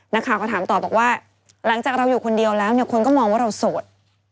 นักข่าวก็ถามต่อบอกว่าหลังจากเราอยู่คนเดียวแล้วเนี่ยคนก็มองว่าเราโสด